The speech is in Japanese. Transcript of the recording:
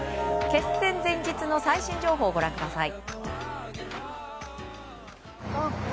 決戦前日の最新情報をご覧ください。